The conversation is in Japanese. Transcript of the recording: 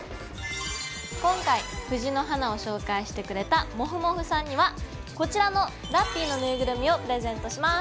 今回藤の花を紹介してくれたもふもふさんにはこちらのラッピィのぬいぐるみをプレゼントします！